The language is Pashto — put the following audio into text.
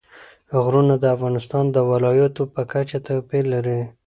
غرونه د افغانستان د ولایاتو په کچه توپیر لري.